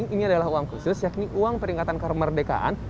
ini adalah uang khusus yakni uang peringatan kemerdekaan